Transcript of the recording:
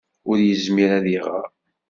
Ur yezmir ad iɣeṛ.